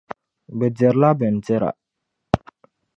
Bɛ dirila bindira.